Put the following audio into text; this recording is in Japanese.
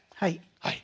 はい。